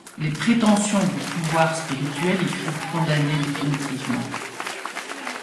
Les prétentions du pouvoir spirituel y furent condamnées définitivement.